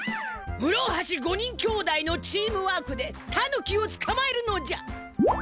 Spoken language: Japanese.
むろはし５人きょうだいのチームワークでタヌキをつかまえるのじゃ！